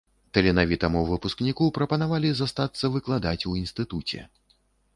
Таленавітаму выпускніку прапанавалі застацца выкладаць у інстытуце.